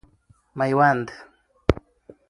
میوند